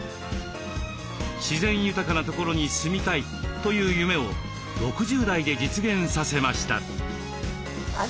自然豊かな所に住みたいという夢を６０代で実現させました。